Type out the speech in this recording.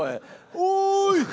「おい！